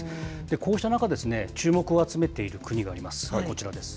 こうした中、注目を集めている国があります、こちらです。